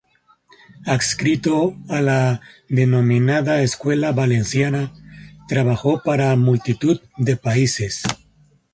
Adscrito a la denominada Escuela Valenciana, trabajó para multitud de países.